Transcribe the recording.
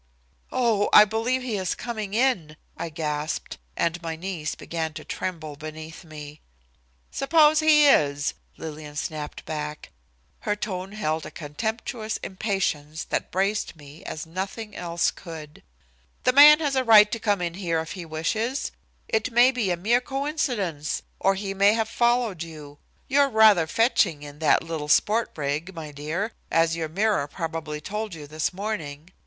"Oh! I believe he is coming in," I gasped, and my knees began to tremble beneath me. "Suppose he is," Lillian snapped back. Her tone held a contemptuous impatience that braced me as nothing else could. "The man has a right to come in here if he wishes. It may be a mere coincidence, or he may have followed you. You're rather fetching in that little sport rig, my dear, as your mirror probably told you this morning.